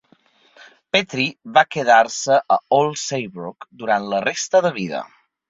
Petry va quedar-se a Old Saybrook durant la resta de vida.